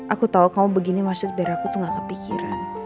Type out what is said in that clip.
aku tahu kamu begini maksudnya biar aku tuh gak kepikiran